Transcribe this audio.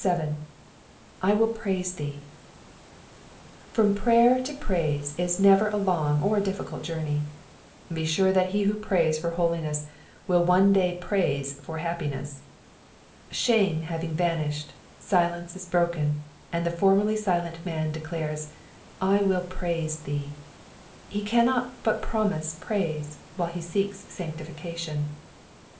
/ wUl praise thee.'*'' From prayer to praise is never a long or a ditficult iourney. Be sure that he who prays for holiness will one day praise for aappiness. Shame having vanished, silence is broken, and the formerly silent man declares, ^*I will praise thee.^' He cannot but promise praise while he seeks sanctification.